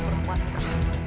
kakek kapan datang